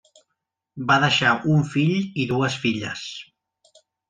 Va deixar un fill i dues filles.